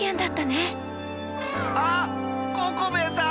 あっココベエさん！